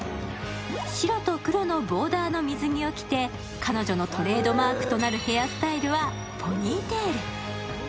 白と黒のボーダーの水着を着て、彼女のトレードマークとなるヘアスタイルはポニーテール。